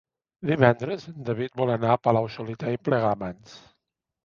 Divendres en David vol anar a Palau-solità i Plegamans.